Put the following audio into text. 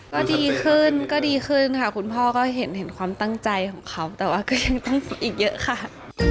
ก็ดีขึ้นก็ดีขึ้นค่ะคุณพ่อก็เห็นความตั้งใจของเขาแต่ว่าก็ยังต้องอีกเยอะค่ะ